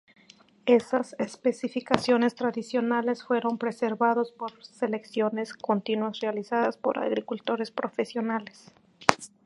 Esas especificaciones tradicionales fueron preservados por selecciones continuas realizadas por agricultores profesionales.